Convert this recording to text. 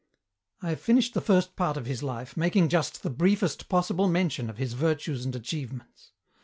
"I have finished the first part of his life, making just the briefest possible mention of his virtues and achievements."